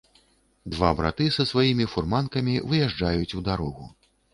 Два браты са сваімі фурманкамі выязджаюць у дарогу.